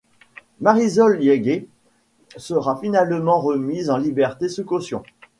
Marisol Yagüe sera finalement remise en liberté sous caution.